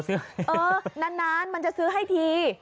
เออนานมันจะซื้อให้ที